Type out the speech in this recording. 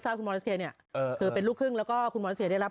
อันนี้ปูอันยัง